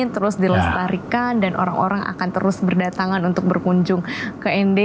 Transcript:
terus dilestarikan dan orang orang akan terus berdatangan untuk berkunjung ke nd